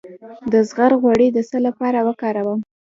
د زغر غوړي د څه لپاره وکاروم؟